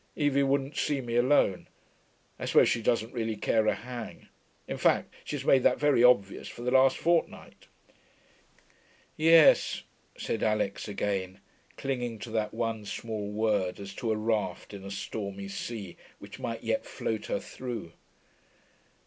Evie wouldn't see me alone.... I suppose she doesn't really care a hang. In fact, she's made that very obvious for the last fortnight.' 'Yes,' said Alix again, clinging to that one small word as to a raft in a stormy sea, which might yet float her through.